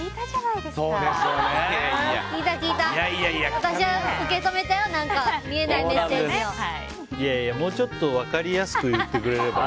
いやいや、もうちょっと分かりやすく言ってくれれば。